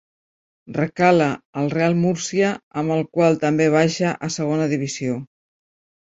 Recala al Real Múrcia, amb el qual també baixa a Segona Divisió.